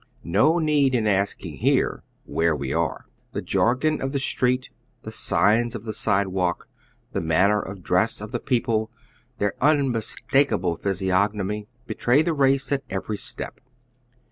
No need of asking here where we are. The jargon of the street, the signs of the sidewalk, the manner and dress of the people, their unmistakable physi ognomy, betray their race at every step.